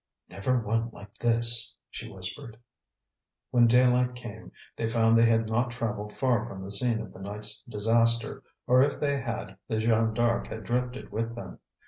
"Never one like this," she whispered. When daylight came, they found they had not traveled far from the scene of the night's disaster; or, if they had, the Jeanne D'Arc had drifted with them.